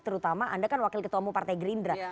terutama anda kan wakil ketua umum partai gerindra